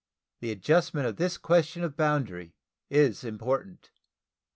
The adjustment of this question of boundary is important.